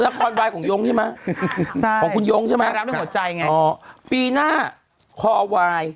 ละครวายของยงใช่ไหมของคุณยงใช่ไหมอ๋อปีหน้าคอวาย